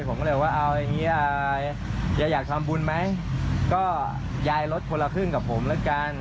ผมก็เลยว่าเอาอย่างนี้จะอยากทำบุญไหมก็ยายลดคนละครึ่งกับผมแล้วกัน